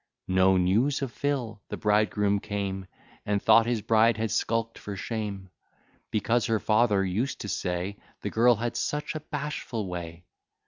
No news of Phyl! the bridegroom came, And thought his bride had skulk'd for shame; Because her father used to say, The girl had such a bashful way!